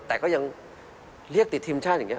แต่ก็ยังเรียกติดทีมชาติอย่างนี้